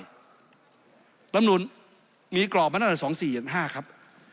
รัฐมนูลมีกรอบมาตั้งแต่๒๔อย่าง๕ครับ